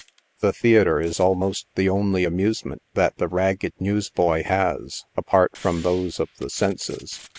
The theatre is almost the only amusement that the ragged news boy has, apart from those of the senses.